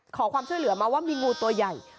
ขอความช่วยเหลือมาว่ามีงูตัวใหญ่